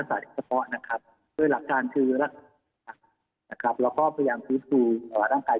พักผ่อนให้พอนะครับออกกำลังกาย